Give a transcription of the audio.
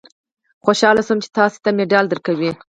خوشاله شوم چې تاسې ته مډال درکوي.